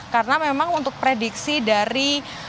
karena memang untuk prediksi dari